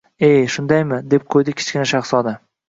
— E, shundaymi? — deb qo‘ydi Kichkina shahzoda